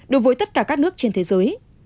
đối với tất cả các nước trên thế giới